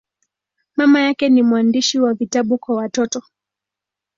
Mama yake ni mwandishi wa vitabu kwa watoto.